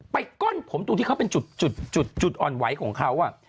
ก้อนผมตรงที่เขาเป็นจุดอ่อนไหวของเขา